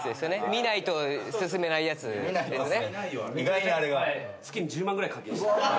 見ないと進めないやつですね。